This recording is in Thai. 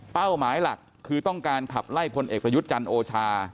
หมายหลักคือต้องการขับไล่พลเอกประยุทธ์จันทร์โอชา